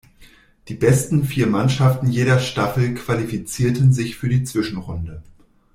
Die besten vier Mannschaften jeder Staffel qualifizierten sich für die Zwischenrunde.